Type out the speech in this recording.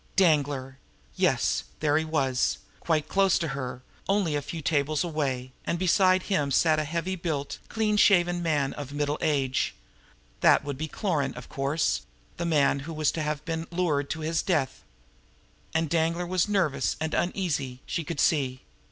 Danglar! Yes, 'there he was quite close to her, only a few tables away and beside him sat a heavy built, clean shaven man of middle age. That would be Cloran, of course the man who was to have been lured to his death. And Danglar was nervous and uneasy, she could see.